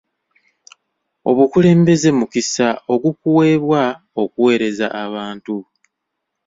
Obukulembeze mukisa ogukuweebwa okuwereza abantu.